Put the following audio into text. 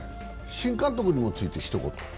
新監督についても一言。